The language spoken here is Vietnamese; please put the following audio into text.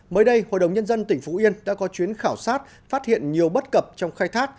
mới đây hội đồng nhân dân tỉnh phú yên đã có chuyến khảo sát phát hiện nhiều bất cập trong khai thác